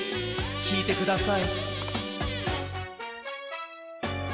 きいてください。